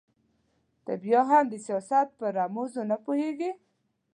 ته بيا هم د سياست په رموزو نه پوهېږې.